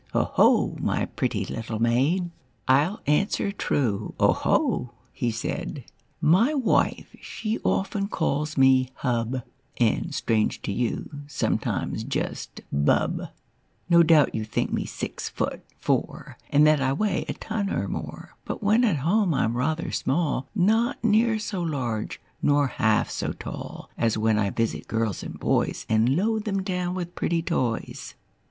''" 0 ho ! my pretty little maid. I'll answer true, 0 ho !" he said. Copyrighted, 1897. Y wife, she often calls me hub, ^ And, strange to you, sometimes just bub, No doubt you think me six feet, four, And that I weigh a ton or more, But when at home I'm rather small, Not near so large nor half so tall As when I visit girls and boys And load them down with pretty toys."